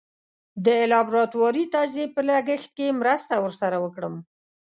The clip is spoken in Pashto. د لابراتواري تجزیې په لګښت کې مرسته ور سره وکړم.